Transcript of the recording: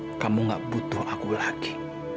nona kamu nggak butuh aku lagi